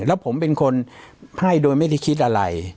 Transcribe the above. แล้วผมเป็นคนให้โดยไม่ได้คิดอะไร